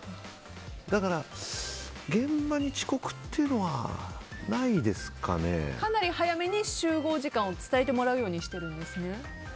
だから、現場に遅刻っていうのはかなり早めに集合時間を伝えてもらうようにしてるんですかね？